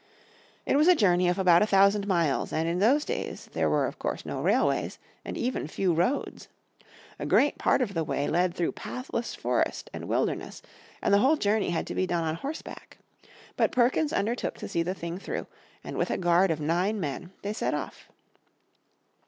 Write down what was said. It was a journey of about a thousand miles, and in those days there were of course no railways and even few roads. A great part of the way led through pathless forest and wilderness, and the whole journey had to be done on horseback. But Perkins undertook to see the thing through, and with a guard of nine men they set off.